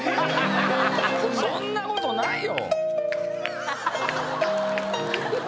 そんなことないよ。